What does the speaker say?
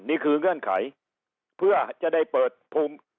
เงื่อนไขเพื่อจะได้เปิดภูมิ